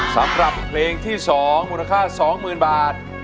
สำหรับเพลงที่๒มูลค่า๒๐๐๐บาท